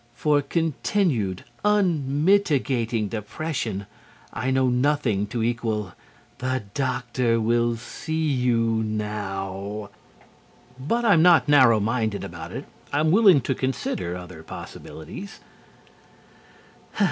For continued, unmitigating depression, I know nothing to equal "The doctor will see you now." But I'm not narrow minded about it. I'm willing to consider other possibilities.